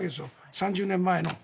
３０年前の。